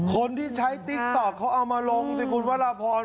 คนที่ใช้ติ๊กต๊อกเขาเอามาลงสิคุณวรพร